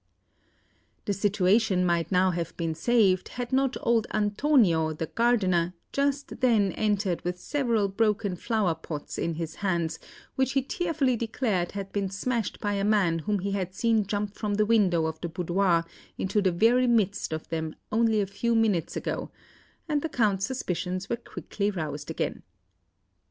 The situation might now have been saved had not old Antonio, the gardener, just then entered with several broken flower pots in his hands, which he tearfully declared had been smashed by a man whom he had seen jump from the window of the boudoir into the very midst of them only a few minutes ago; and the Count's suspicions were quickly roused again.